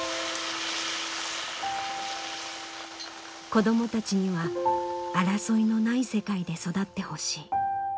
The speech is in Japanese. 子どもたちには争いのない世界で育ってほしい。